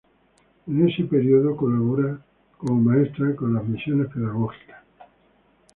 En ese periodo colabora como maestra con las Misiones Pedagógicas.